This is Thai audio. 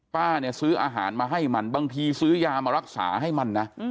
ป้าเนี่ยซื้ออาหารมาให้มันบางทีซื้อยามารักษาให้มันนะ